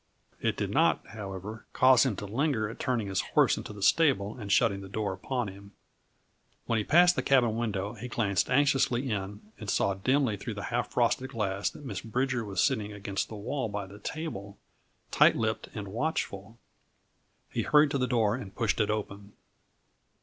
It did not, however, cause him to linger at turning his horse into the stable and shutting the door upon him. When he passed the cabin window he glanced anxiously in and saw dimly through the half frosted glass that Miss Bridger was sitting against the wall by the table, tight lipped and watchful. He hurried to the door and pushed it open.